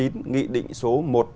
nghị định số một trăm ba mươi bảy